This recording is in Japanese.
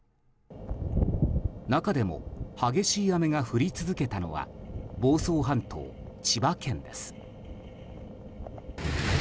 中でも激しい雨が降り続けたのは房総半島、千葉県です。